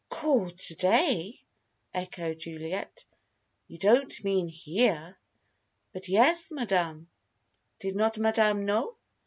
"Called to day!" echoed Juliet. "You don't mean here?" "But yes, Madame. Did not Madame know?